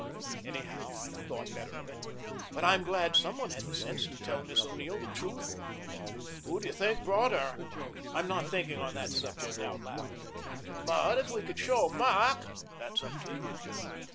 Anyhow, I thought better of it. But I'm glad some one had the sense to tell Miss O'Neill the truth." "Who do you think brought her?" "I'm not thinking on that subject out loud." "But if we could show Mac " "That's up to you.